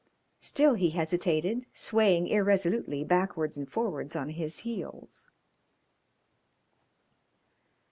Still he hesitated, swaying irresolutely backwards and forwards on his heels.